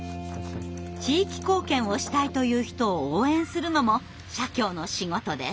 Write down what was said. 地域貢献をしたいという人を応援するのも社協の仕事です。